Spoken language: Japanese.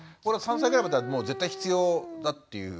３歳ぐらいまではもう絶対必要だという？